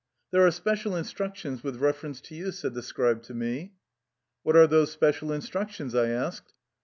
a There are special instructions with reference to you," said the scribe to me. "What are those special instructions?'' I asked.